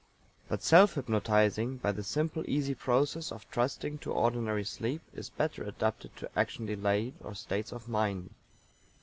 But self hypnotizing, by the simple easy process of trusting to ordinary sleep, is better adapted to action delayed, or states of mind.